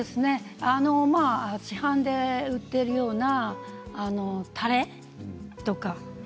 市販で売っているようなたれとか。